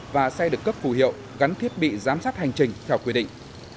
và xe được cấp phù hiệu gắn thiết bị giám sát hành trình theo quy định